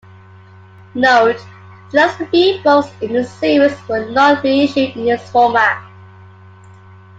Note: The last three books in the series were not re-issued in this format.